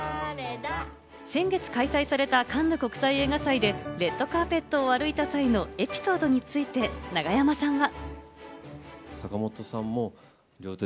先月開催されたカンヌ国際映画祭で、レッドカーペットを歩いた際のエピソードについて、永山さんは。